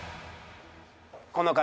この方。